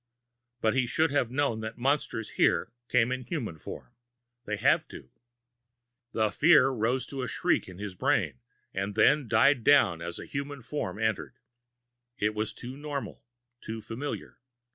But he should have known that monsters here came in human form they'd have to. The fear rose to a shriek in his brain, and then died down as the human form entered. It was too normal too familiar.